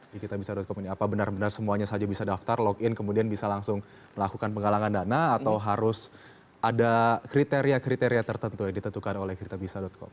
di kitabisa com ini apa benar benar semuanya saja bisa daftar login kemudian bisa langsung melakukan penggalangan dana atau harus ada kriteria kriteria tertentu yang ditentukan oleh kitabisa com